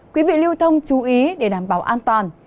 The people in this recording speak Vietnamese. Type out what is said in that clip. quý vị lưu thông chú ý để đảm bảo an toàn